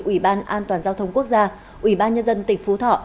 ủy ban an toàn giao thông quốc gia ủy ban nhân dân tỉnh phú thọ